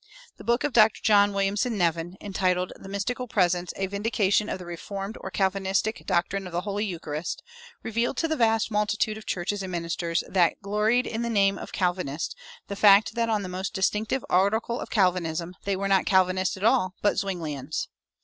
The book of Dr. John Williamson Nevin, entitled "The Mystical Presence: A Vindication of the Reformed or Calvinistic Doctrine of the Holy Eucharist," revealed to the vast multitude of churches and ministers that gloried in the name of Calvinist the fact that on the most distinctive article of Calvinism they were not Calvinists at all, but Zwinglians.